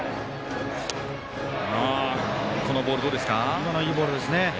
今のいいボールですね。